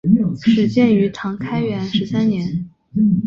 始建于唐开元十三年。